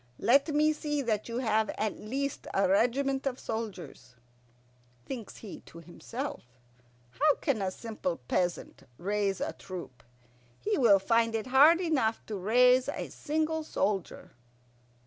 Let me see that you have at least a regiment of soldiers,'" Thinks he to himself, "How can a simple peasant raise a troop? He will find it hard enough to raise a single soldier."